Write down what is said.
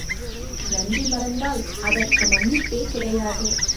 நன்றி மறந்தால் அதற்கு மன்னிப்பே கிடையாது.